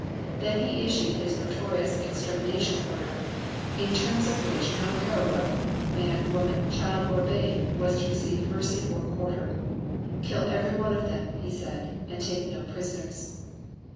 Then he issued his notorious "extermination order," in terms of which no Herero man, woman, child, or babe was to receive mercy or quarter. "Kill every one of them," he said, "and take no prisoners."